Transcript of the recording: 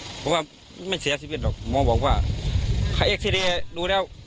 เพราะว่าไม่เสียชีวิตหรอกมองบอกว่าใครเอ็กซ์ทีเรียรู้แล้ว